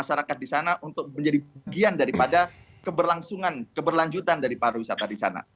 masyarakat di sana untuk menjadi bagian daripada keberlangsungan keberlanjutan dari pariwisata di sana